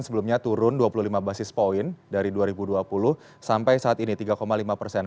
sebelumnya turun dua puluh lima basis point dari dua ribu dua puluh sampai saat ini tiga lima persen